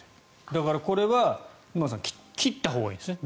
だから、これは沼津さん切ったほうがいいんですね。